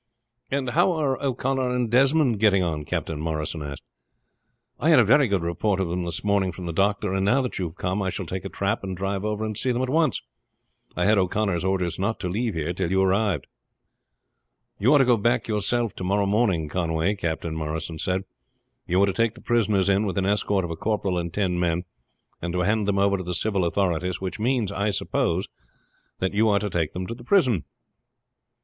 "And how are O'Connor and Desmond getting on?" Captain Morrison asked. "I had a very good report of them this morning from the doctor, and now that you have come I shall take a trap and drive over and see them at once. I had O'Connor's orders not to leave here till you arrived." "You are to go back yourself to morrow morning, Conway," Captain Morrison said. "You are to take the prisoners in with an escort of a corporal and ten men, and to hand them over to the civil authorities; which means, I suppose, that you are to take them to the prison."